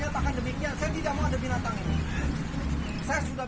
saya sudah menyatakan demikian saya tidak mau ada binatang ini